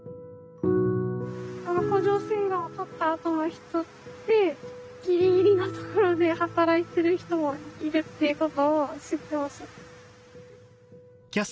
甲状腺がんをとったあとの人ってギリギリのところで働いてる人もいるっていうことを知ってほしい。